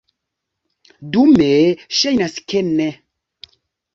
Dume ŝajnas, ke ne.